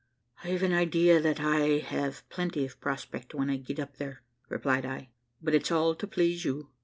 `I've an idea that I'll have plenty of prospect when I get up there,' replied I, `but it's all to please you.'